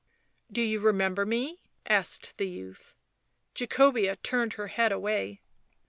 "Do you remember me?" asked the youth. Jacobea turned her head away.